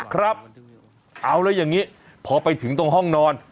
ครับเอาแล้วอย่างนี้พอไปถึงตรงห้องนอน